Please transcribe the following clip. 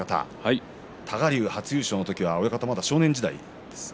多賀竜、初優勝の時は親方はまだ少年時代ですね。